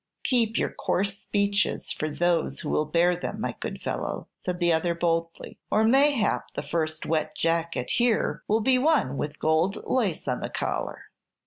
"Keep your coarse speeches for those who will bear them, my good fellow," said the other, boldly, "or mayhap the first wet jacket here will be one with gold lace on the collar."